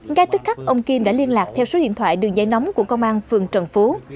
ngay tức khắc ông kim đã liên lạc theo số điện thoại đường dây nóng của công an phường trần phú